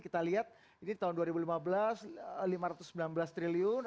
kita lihat ini tahun dua ribu lima belas lima ratus sembilan belas triliun